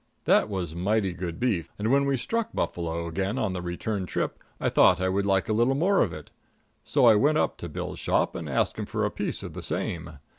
That was mighty good beef, and when we struck Buffalo again on the return trip, I thought I would like a little more of it. So I went up to Bill's shop and asked him for a piece of the same.